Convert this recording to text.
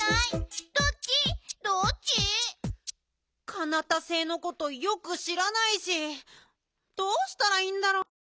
カナタ星のことよくしらないしどうしたらいいんだろう？